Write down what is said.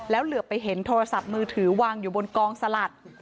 แล้วเหลือไปเห็นโทรศัพท์มือถือวางอยู่บนกองสลัด